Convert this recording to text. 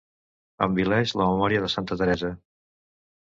Envileix la memòria de Santa Teresa.